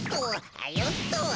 あっよっと！